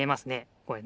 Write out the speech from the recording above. これね。